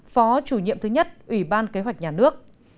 phó chủ nhiệm thứ nhất ủy ban kế hoạch nhà nước